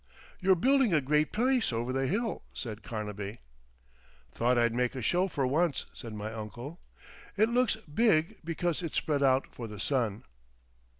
"You're building a great place over the hill," said Carnaby. "Thought I'd make a show for once," said my uncle. "It looks big because it's spread out for the sun."